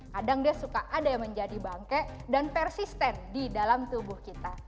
kadang dia suka ada yang menjadi bangke dan persisten di dalam tubuh kita